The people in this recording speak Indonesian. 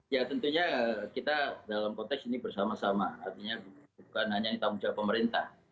ya tentunya kita dalam konteks ini bersama sama artinya bukan hanya tanggung jawab pemerintah